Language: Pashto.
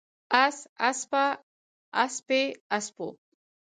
اس، اسپه، اسپې، اسپو